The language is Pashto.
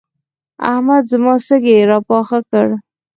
احمد زما سږي راپاخه کړل.